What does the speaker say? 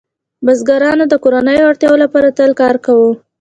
بزګرانو د کورنیو اړتیاوو لپاره تل کار کاوه.